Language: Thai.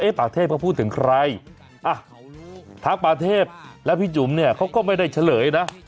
เพราะพิทธิ์ก็พูดถึงใครท้ากปาเทพฯแล้วพี่จุ๋มเนี่ยเขาก็ไม่ได้เฉลยนะ